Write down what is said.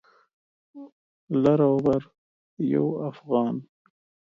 لر او بر یو افغان